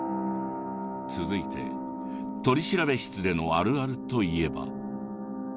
続いて取調室でのあるあるといえば。